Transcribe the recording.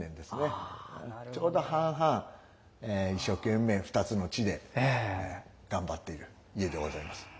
ちょうど半々一生懸命２つの地で頑張っている家でございます。